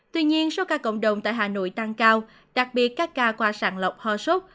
tuy nhiên số ca cộng đồng tại hà nội tăng cao đặc biệt các ca qua sàng lọc ho sốt